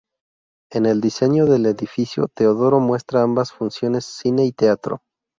En el diseño del edificio, Teodoro muestra ambas funciones: cine y teatro.